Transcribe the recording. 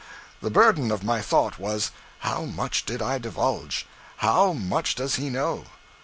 The burden of my thought was, How much did I divulge? How much does he know?